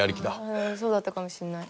うんそうだったかもしれない。